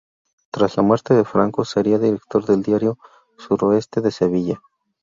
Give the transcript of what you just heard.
Tras la muerte de Franco sería director del diario "Suroeste" de Sevilla.